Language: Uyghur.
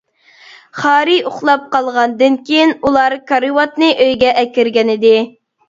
خارى ئۇخلاپ قالغاندىن كېيىن ئۇلار كارىۋاتنى ئۆيگە ئەكىرگەنىدى.